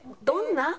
どんな？